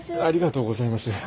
ありがとうございます。